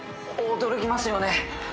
驚きますよね。